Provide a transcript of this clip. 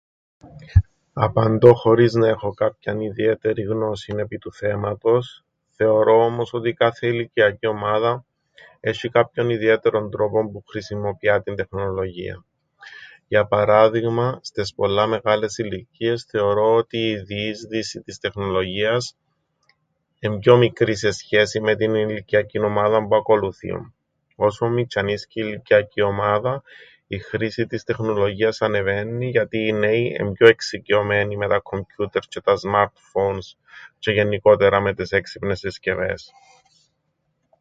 Απαντώ χωρίς να έχω κάποιαν ιδιαίτερην γνώσην επί του θέματος, θεωρώ όμως ότι κάθε ηλικιακή ομάδα έσ̆ει κάποιον ιδιαίτερον τρόπον που χρησιμοποιά την τεχνολογίαν. Για παράδειγμαν, στες πολλά μεγάλες ηλικίες, θεωρώ ότι η διείσδυση της τεχνολογίας, εν' πιο μικρή σε σχέσην με την ηλικιακήν ομάδαν που ακολουθεί. Όσον μιτσ̆ιανίσκει η ηλικιακή ομάδα, η χρήση της τεχνολογίας ανεβαίννει, γιατί οι νέοι εν' πιο εξοικειωμένοι με τα κκομπιούτερς τζ̆αι τα σμαρτ φόουνς τζ̆αι γεννικότερα με τες έξυπνες συσκευές.